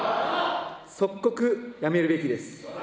即刻辞めるべきです。